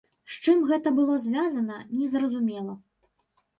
З чым гэта было звязана, незразумела.